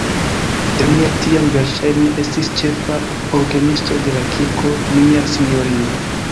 Daniel tiam verŝajne estis ĉefa orgenisto de la Kirko Nia Sinjorino.